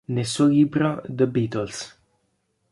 Nel suo libro "The Beatles.